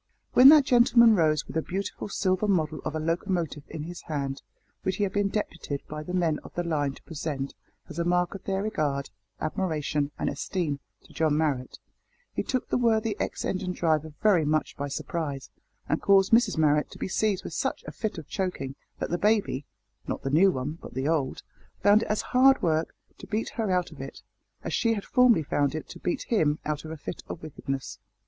When that gentleman rose with a beautiful silver model of a locomotive in his hand, which he had been deputed by the men of the line to present as a mark of their regard, admiration, and esteem, to John Marrot, he took the worthy ex engine driver very much by surprise, and caused Mrs Marrot to be seized with such a fit of choking that the baby (not the new one, but the old) found it as hard work to beat her out of it, as she had formerly found it to beat him out of a fit of wickedness.